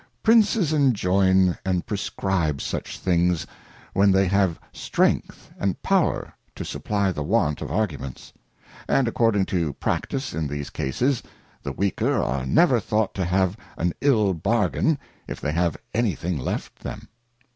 Princes enjoyn and prescribe such things when they have Strength and Power to supply the want of Arguments ; and according to practice in these Cases, the weaker are never thought to have an ill Bargain, if they have anything left them.